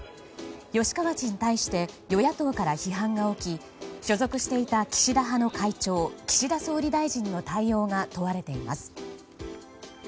吉川氏に対して与野党から批判が起き所属していた岸田派の会長岸田総理大臣の対応が問われています。